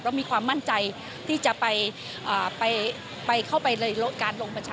เพราะมีความมั่นใจที่จะเข้าไปในการลงประชาชน